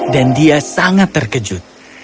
dan dia sangat terkejut